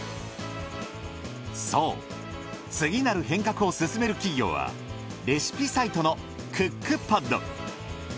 そう次なる変革を進める企業はレシピサイトのクックパッド。